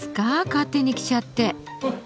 勝手に着ちゃって。